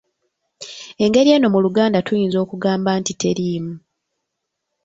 Engeri eno mu Luganda tuyinza okugamba nti teriimu.